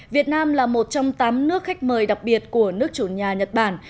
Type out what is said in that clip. việt nam là một trong tám nước khách mời đặc biệt của nước chủ nhà nhật bản